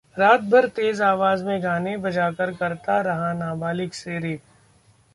रातभर तेज आवाज में गाने बजाकर करता रहा नाबालिग से रेप!